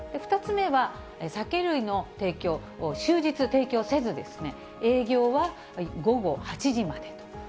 ２つ目は、酒類の提供、終日提供せず、営業は午後８時までと。